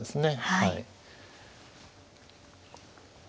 はい。